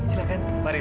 selamat pagi ibu